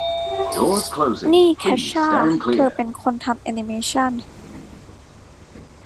นี่เคชช่า เธอเป็นคนทำแอนิเมชั่น